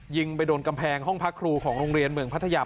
ยิงไปโดนกำแพงห้องพักครูของโรงเรียนเมืองพัทยา